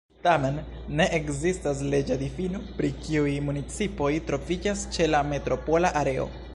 Tamen, ne ekzistas leĝa difino pri kiuj municipoj troviĝas ĉe la metropola areo.